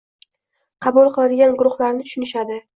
qabul qiladigan guruhlarni tushunishadi.